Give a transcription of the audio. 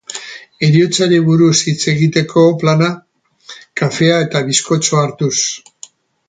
Heriotzari buruz hitz egiteko plana, kafea eta bizkotxoa hartuz.